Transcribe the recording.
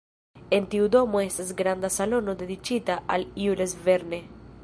En tiu domo estas granda salono dediĉita al Jules Verne.